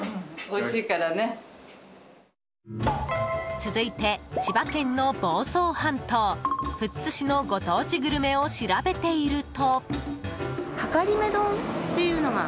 続いて千葉県の房総半島富津市のご当地グルメを調べていると。